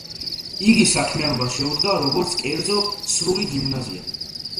იგი საქმიანობას შეუდგა, როგორც კერძო სრული გიმნაზია.